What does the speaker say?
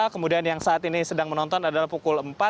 kemudian yang saat ini sedang menonton adalah pukul empat